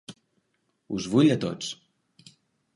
Us vull a tots.